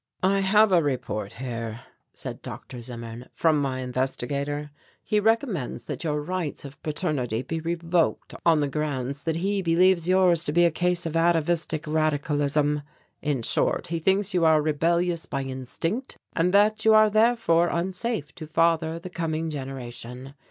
"I have a report here," said Dr. Zimmern, "from my Investigator. He recommends that your rights of paternity be revoked on the grounds that he believes yours to be a case of atavistic radicalism. In short he thinks you are rebellious by instinct, and that you are therefore unsafe to father the coming generation.